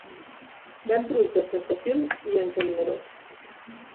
Ven productes sense fil i encaminadors.